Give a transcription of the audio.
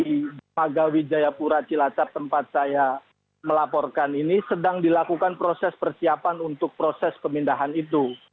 di magawijayapura cilacap tempat saya melaporkan ini sedang dilakukan proses persiapan untuk proses pemindahan itu